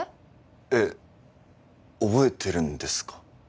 えっ覚えてるんですか？